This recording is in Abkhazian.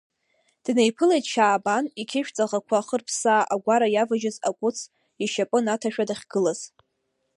Днеиԥылеит Шьаабан, иқьышә ҵаӷақәа хырԥсаа агәара иаважьыз ақәыц ишьапы наҭашәа дахьгылаз.